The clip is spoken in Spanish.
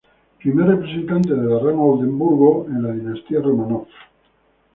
Primer representante de la rama Oldenburgo en la Dinastía Románov.